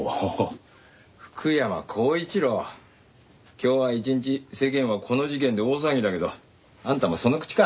今日は一日世間はこの事件で大騒ぎだけどあんたもその口か。